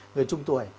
người trung tuổi